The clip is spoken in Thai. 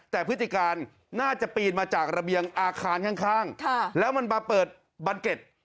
แต่พฤติการน่าจะปีนมาจากระเบียงอาคารข้างแล้วมันมาเปิดบันเก็ต